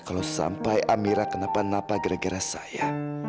kalau sampai amira kenapa napa gara gara saya